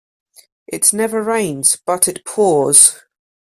It never rains but it pours.